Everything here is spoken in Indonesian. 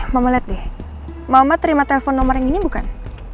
mama lihat deh mama terima telepon nomor yang ini bukan